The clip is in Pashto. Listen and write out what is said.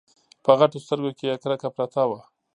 په غټو سترګو کې يې کرکه پرته وه.